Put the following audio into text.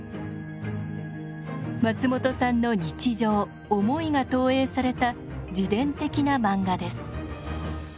松本さんの日常思いが投影された自伝的な漫画です。